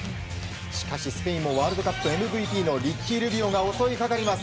しかし、スペインもワールドカップＭＶＰのリッキー・ルビオが襲いかかります。